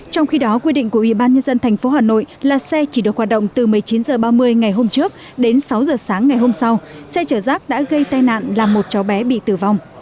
trong khi đó quy định của ủy ban nhân dân tp hà nội là xe chỉ được hoạt động từ một mươi chín h ba mươi ngày hôm trước đến sáu h sáng ngày hôm sau xe chở rác đã gây tai nạn làm một cháu bé bị tử vong